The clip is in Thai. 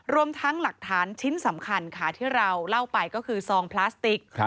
รวมทั้งหลักฐานชิ้นสำคัญค่ะที่เราเล่าไปก็คือซองพลาสติก